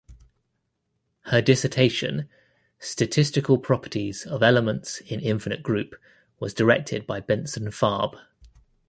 Her dissertation "Statistical properties of elements in infinite group" was directed by Benson Farb.